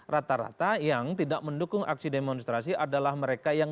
rata rata yang tidak mendukung aksi demonstrasi adalah mereka yang